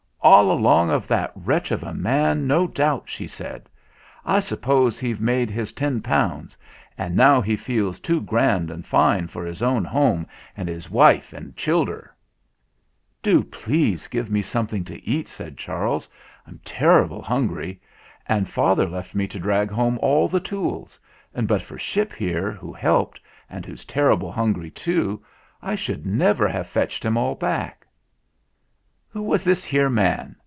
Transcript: "All along of that wretch of a man no doubt," she said. "I suppose he've made his ten pounds, and now he feels too grand and fine for his own home and his wife and childer." 78 THE FLINT HEART "Do please give me something to eat," said Charles. "I'm terrible hungry, and father left me to drag home all the tools, and but for Ship here, who helped, and who's terrible hungry too, I should never have fetched 'em all back." "Who was this here man?"